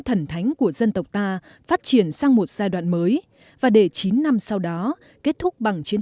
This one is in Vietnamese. thần thánh của dân tộc ta phát triển sang một giai đoạn mới và để chín năm sau đó kết thúc bằng chiến